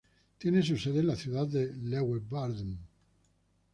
Tiene su sede en la ciudad de Leeuwarden.